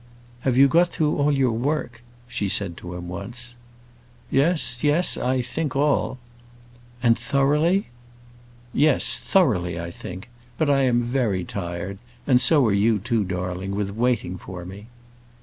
"Have you got through all your work?" she said to him once. "Yes, yes; I think all." "And thoroughly?" "Yes; thoroughly, I think. But I am very tired, and so are you too, darling, with waiting for me."